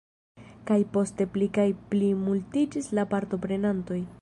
Kaj poste pli kaj pli multiĝis la partoprenantoj.